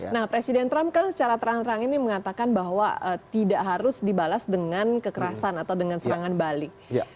nah presiden trump kan secara terang terang ini mengatakan bahwa tidak harus dibalas dengan kekerasan atau dengan serangan balik